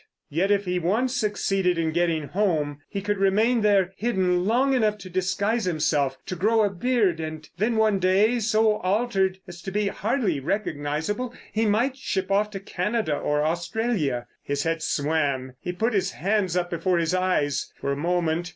Yet if he once succeeded in getting home he could remain there hidden long enough to disguise himself, to grow a beard. And then one day, so altered as to be hardly recognisable, he might ship off to Canada or Australia. His head swam: he put his hands up before his eyes for a moment.